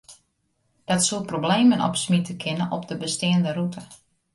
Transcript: Dat soe problemen opsmite kinne op de besteande rûte.